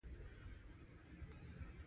په آیین اکبري کې اشاره ورته کړې ده.